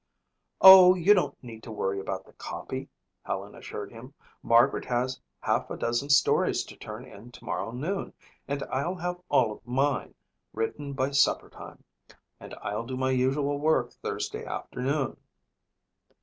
"Oh, you don't need to worry about copy," Helen assured him. "Margaret has half a dozen stories to turn in tomorrow noon and I'll have all of mine written by supper time. And I'll do my usual work Thursday afternoon."